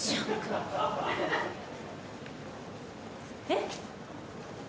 えっ？